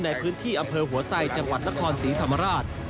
ในพื้นที่อำเภอหัวไซจังหวัดนครศรีธรรมราช